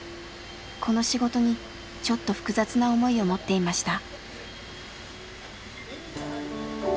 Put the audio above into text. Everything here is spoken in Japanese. この仕事にちょっと複雑な思いを持っていました。